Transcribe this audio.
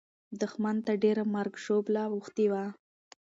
دښمن ته ډېره مرګ او ژوبله اوښتې وه.